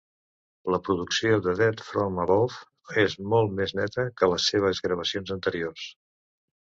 La producció de Death from Above és molt més neta que les seves gravacions anteriors.